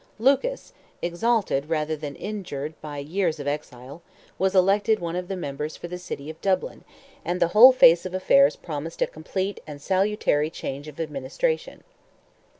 Lucas, exalted rather than injured by years of exile, was elected one of the members for the city of Dublin, and the whole face of affairs promised a complete and salutary change of administration.